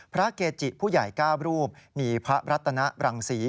พระเกจิผู้ใหญ่๙รูปมีพระรัตนบรังศรี